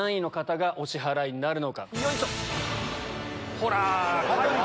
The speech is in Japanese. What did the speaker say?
ほら！